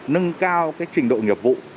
nâng cao cái trình độ nghiệp vụ